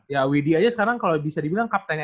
ya widhi aja sekarang kalau bisa dibilang kapten nsh